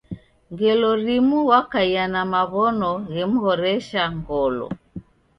Ngelo rimu wakaia na maw'ono ghemhoresha ngolo.